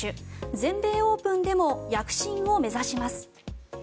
全米オープンでも躍進を目指します。